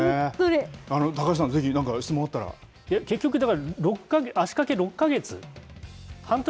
高橋さん、ぜひ何か質問あっ結局、だから足かけ６か月？